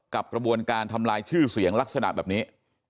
กระบวนการทำลายชื่อเสียงลักษณะแบบนี้